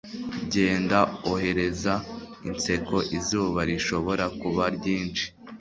genda, ohereza inseko izuba rishobora kuba ryinshi